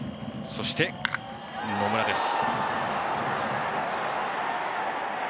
そして、野村です。